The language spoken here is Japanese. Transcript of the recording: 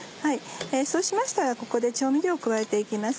そうしましたらここで調味料を加えて行きます。